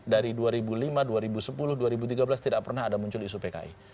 dari dua ribu lima dua ribu sepuluh dua ribu tiga belas tidak pernah ada muncul isu pki